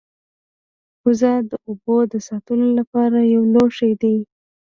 کوزه د اوبو د ساتلو لپاره یو لوښی دی